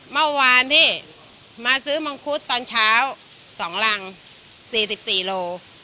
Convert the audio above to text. เมื่อวานพี่มาซื้อมังคุดตอนเช้า๒รัง๔๔โล